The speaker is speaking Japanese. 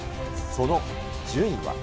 その順位は。